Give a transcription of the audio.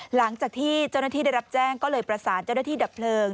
หลังจากที่เจ้าหน้าที่ได้รับแจ้งก็เลยประสานเจ้าหน้าที่ดับเพลิง